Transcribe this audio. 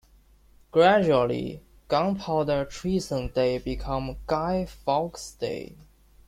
Gradually, Gunpowder Treason Day became Guy Fawkes Day.